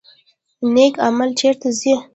نیک عمل چیرته ځي؟